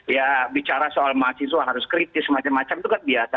ya bicara soal mahasiswa harus kritis macam macam itu kan biasa